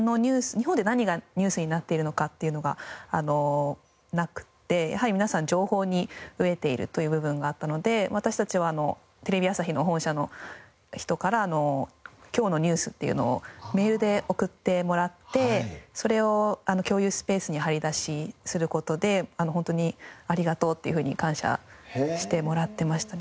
日本で何がニュースになっているのかっていうのがなくてやはり皆さん情報に飢えているという部分があったので私たちはテレビ朝日の本社の人から今日のニュースっていうのをメールで送ってもらってそれを共有スペースに貼り出しする事でホントにありがとうっていうふうに感謝してもらってましたね。